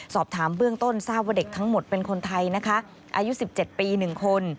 สอบถามเบื้องต้นทราบว่าเด็กทั้งหมดเป็นคนไทยนะคะอายุ๑๗ปี๑คน